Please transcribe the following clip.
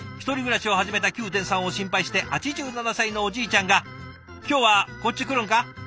１人暮らしを始めた九天さんを心配して８７歳のおじいちゃんが「今日はこっち来るんか？」